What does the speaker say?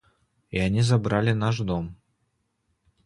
И они забрали наш дом.